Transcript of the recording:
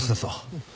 うん。